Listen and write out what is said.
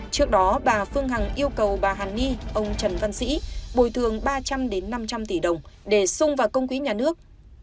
trước đó bà phương hằng yêu cầu bà hàn ni ông trần văn sĩ bồi thường ba trăm linh năm trăm linh tỷ đồng để sung vào công quỹ nhà nước